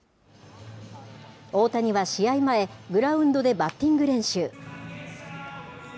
大谷は試合前、グラウンドでバッティング練習。